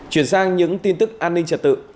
chuyển sang những tin tức an ninh trật tự